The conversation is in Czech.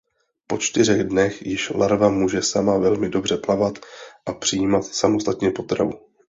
Po čtyřech dnech již larva může sama velmi dobře plavat a přijímat samostatně potravu.